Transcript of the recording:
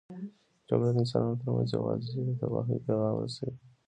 جګړه د انسانانو ترمنځ یوازې د تباهۍ پیغام رسوي.